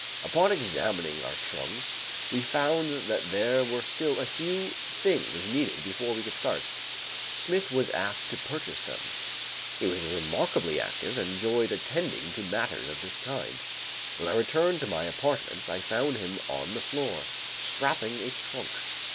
Upon examining our trunks, we found that there were still a few things needed before we could start; Smith was asked to purchase them. He was remarkably active and enjoyed attending to matters of this kind. When I returned to my apartments, I found him on the floor, strapping a trunk.